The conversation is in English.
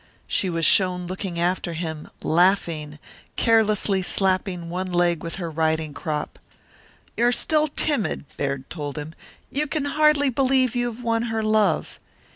She was shown looking after him, laughing, carelessly slapping one leg with her riding crop. "You're still timid," Baird told him. "You can hardly believe you have won her love."